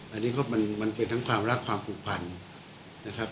อันนี้ก็มันเป็นทั้งความรักความผูกพันนะครับ